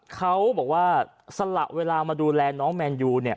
เขาสละเวลามาดูแลน้องแมนยู